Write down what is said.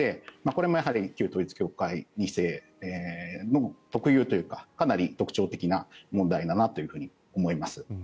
これも旧統一教会２世特有というかかなり特徴的な問題だなと思います。